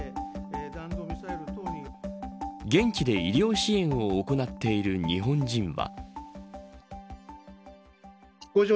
現地で医療支援を行っている日本人は。